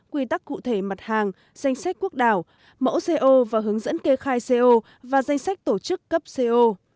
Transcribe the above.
quy tắc cụ thể mặt hàng danh sách quốc đảo mẫu co và hướng dẫn kê khai co và danh sách tổ chức cấp co